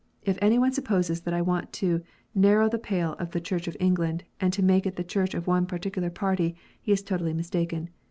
If any one supposes that I want to narrow the pale of the Church of England, and to make it the Church of one particular party, he is totally mistaken.